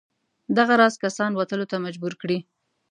دغه راز کسان وتلو ته مجبور کړي.